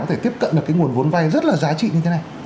có thể tiếp cận được cái nguồn vốn vay rất là giá trị như thế này